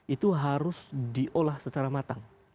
itu harus diolah secara matang